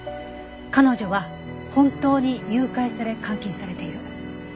彼女は本当に誘拐され監禁されている。